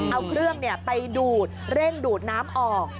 เอาเครื่องไปดูดเร่งดูดน้ำออก